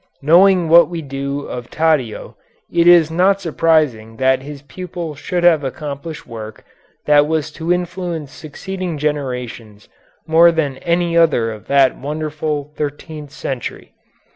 Knowing what we do of Taddeo it is not surprising that his pupil should have accomplished work that was to influence succeeding generations more than any other of that wonderful thirteenth century.